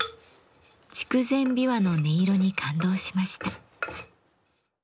筑前琵琶の音色に感動しました。